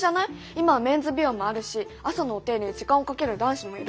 今はメンズ美容もあるし朝のお手入れに時間をかける男子もいる。